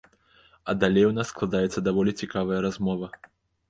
А далей у нас складаецца даволі цікавая размова.